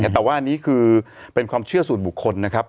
แต่ว่าอันนี้คือเป็นความเชื่อส่วนบุคคลนะครับ